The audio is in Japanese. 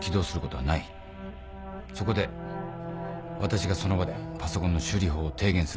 そこで私がその場でパソコンの修理法を提言するんだ